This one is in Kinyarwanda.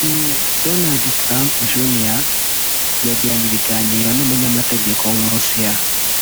Donald Trump Jr yagiranye ibiganiro n’umunyamategeko w’Umurusiya